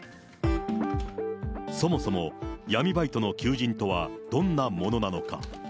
そもそも、闇バイトの求人とはどんなものなのか。